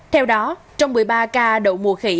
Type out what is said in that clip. theo đó trong một mươi ba ca đậu mùa khỉ